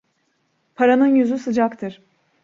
Paranın yüzü sıcaktır.